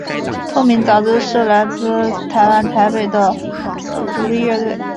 透明杂志是来自台湾台北的独立乐团。